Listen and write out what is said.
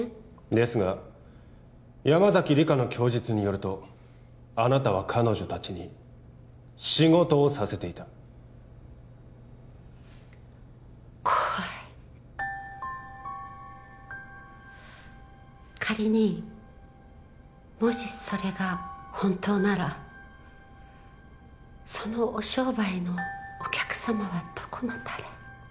ですが山崎莉果の供述によるとあなたは彼女達に仕事をさせていた怖い仮にもしそれが本当ならそのお商売のお客様はどこの誰？